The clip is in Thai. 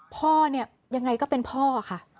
พ่อเนี่ยยังไงก็เป็นพ่อค่ะ